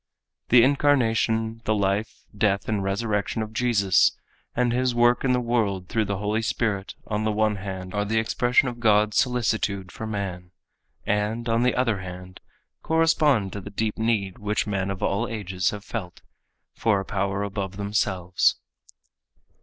The incarnation, the life, death and resurrection of Jesus and his work in the world through the Holy Spirit on the one hand are the expression of God's solicitude for man, and, on the other hand, correspond to the deep need which men of all ages have felt, for a power above themselves.